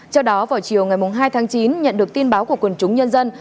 trước đó vào chiều ngày hai tháng chín nhận được tin báo của quần chúng nhân dân